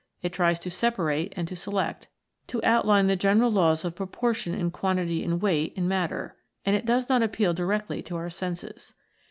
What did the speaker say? It tries to separate and to select, to outline the general laws of proportion in quantity and weight in matter, and it does not appeal directly to our senses.